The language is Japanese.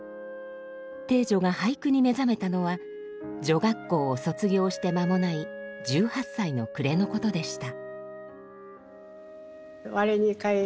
汀女が俳句に目覚めたのは女学校を卒業して間もない１８歳の暮れのことでした。